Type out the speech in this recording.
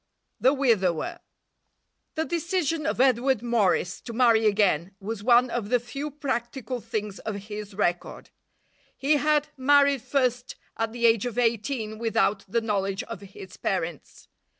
THE WIDOWER The decision of Edward Morris to marry again was one of the few practical things of his record. He had married first at the age of eighteen without the knowledge of his parents.